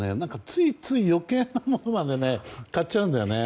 ついつい余計なものまで買っちゃうんだよね。